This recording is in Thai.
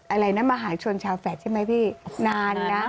อะไรนะมหาชนชาวแฟลตใช่ไหมพี่นานนะ